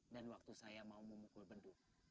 dan waktu saya mau memukul beduk